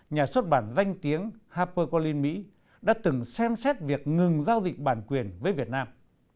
nhà xuất bản danh tiếng hapu colin mỹ đã từng xem xét việc ngừng giao dịch bản quyền với việt nam